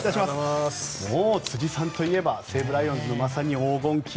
もう辻さんと言えば西武ライオンズのまさに黄金期。